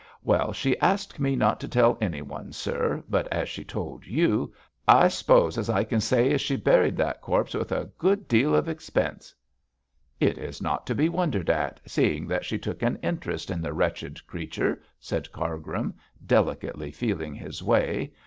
'Well, she asked me not to tell anyone, sir; but as she told you, I s'pose I can say as she buried that corpse with a good deal of expense.' 'It is not to be wondered at, seeing that she took an interest in the wretched creature,' said Cargrim, delicately feeling his way.